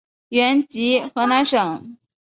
原籍河南省。